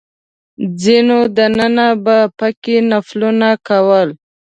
ځینو دننه په کې نفلونه کول.